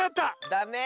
ダメ！